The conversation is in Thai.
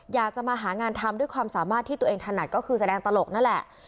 อยากจะมาหางานทำด้วยความสามารถที่ตัวเองถนัดก็คือแสดงตลกนั่นแหละ